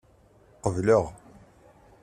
Qebleɣ.